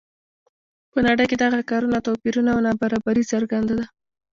په نړۍ کې دغه ښکاره توپیرونه او نابرابري څرګنده ده.